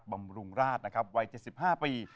บำรุงราศนะครับวัยเจ็ดสิบห้าปี